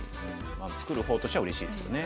作る方としてはうれしいですよね。